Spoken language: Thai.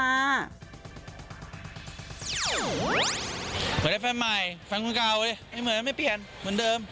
เหมือนได้แฟนใหม่แฟนคนเก่าดิไอ้เหมือนไม่เปลี่ยนเหมือนเดิม